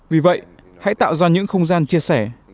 vì vậy hãy tạo ra những không gian chia sẻ